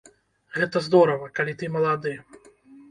Гэта здорава, калі ты малады.